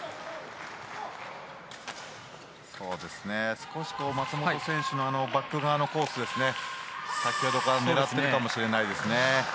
少し松本選手のバック側のコースを先ほどから狙ってるかもしれないですね。